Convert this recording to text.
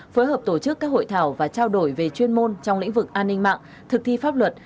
phối hợp tổ chức các hội thảo và trao đổi về chuyên môn trong lĩnh vực an ninh mạng thực thi pháp luật